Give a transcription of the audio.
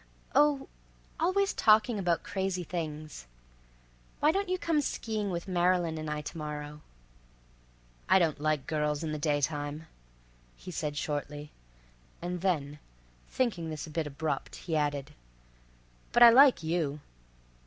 "Oh—always talking about crazy things. Why don't you come ski ing with Marylyn and I to morrow?" "I don't like girls in the daytime," he said shortly, and then, thinking this a bit abrupt, he added: "But I like you."